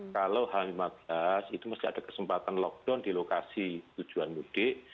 kalau h lima belas itu mesti ada kesempatan lockdown di lokasi tujuan mudik